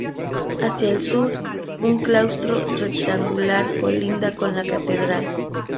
Hacia el sur, un claustro rectangular colinda con la catedral.